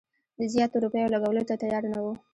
د زیاتو روپیو لګولو ته تیار نه وو.